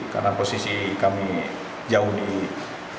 karena posisi kami jauh di pesisir dan agak menjorok ke tengah laut